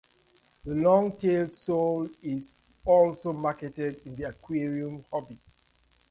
The longtail sole is also marketed in the aquarium hobby.